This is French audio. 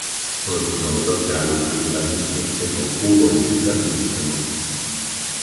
Un plan local d'urbanisme est en cours d'établissement.